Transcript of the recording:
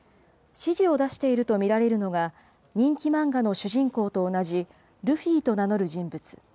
指示を出していると見られるのが、人気漫画の主人公と同じ、ルフィと名乗る人物。